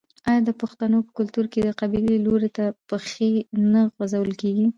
آیا د پښتنو په کلتور کې د قبلې لوري ته پښې نه غځول کیږي؟